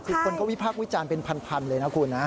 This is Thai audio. คือคนก็วิพากษ์วิจารณ์เป็นพันเลยนะคุณนะ